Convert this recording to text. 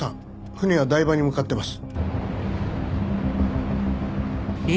船は台場に向かっています。